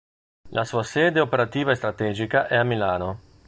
La sua sede operativa e strategica è a Milano.